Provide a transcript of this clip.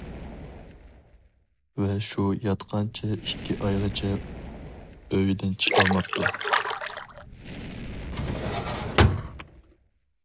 ۋە شۇ ياتقانچە ئىككى ئايغىچە ئۆيىدىن چىقالماپتۇ.